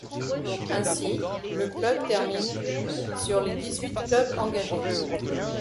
Ainsi, le club termine sur les dix-huit clubs engagés.